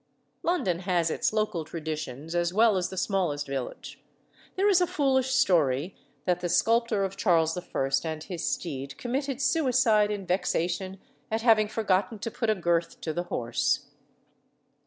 London has its local traditions as well as the smallest village. There is a foolish story that the sculptor of Charles I. and his steed committed suicide in vexation at having forgotten to put a girth to the horse.